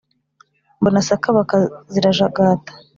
mbona sakabaka zirajagata